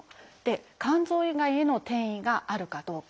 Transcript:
肝臓以外への転移があるかどうか。